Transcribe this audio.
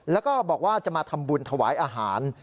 แล้วก็บอกว่าจะมาทำบุญถวายอาหาร